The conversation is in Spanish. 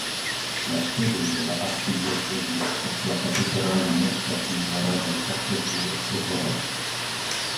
La sede de la Arquidiócesis es la Catedral de Nuestra Señora del Perpetuo Socorro.